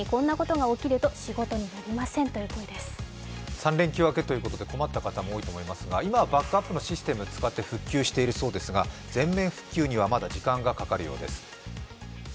３連休明けということで困った方、多いと思いますが今、バックアップのシステムを使って復旧しているそうですが全面復旧にはまだ時間がかかるようです。